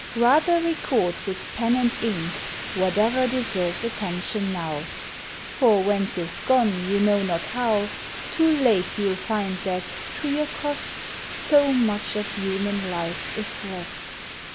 Rather record with pen and ink Whate'er deserves attention now; For when 'tis gone you know not how, Too late you'll find that, to your cost, So much of human life is lost.